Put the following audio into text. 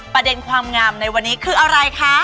ประเด็นความงามในวันนี้คืออะไรคะ